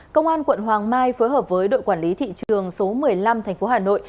công an quận hoàng mai phối hợp với đội quản lý thị trường số một mươi năm tp hà nội